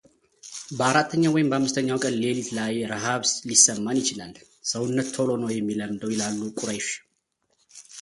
በአራተኛው ወይም በአምስተኛው ቀን ሌሊት ላይ ረሀብ ሊሰማን ይችላል ሰውነት ቶሎ ነው የሚለምደው ይላሉ ቁረይሺ።